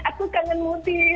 aku kangen muti